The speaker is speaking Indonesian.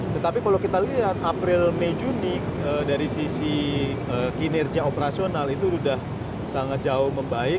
tetapi kalau kita lihat april mei juni dari sisi kinerja operasional itu sudah sangat jauh membaik